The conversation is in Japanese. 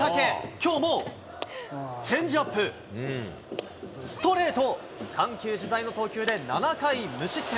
きょうもチェンジアップ、ストレート、緩急自在の投球で７回無失点。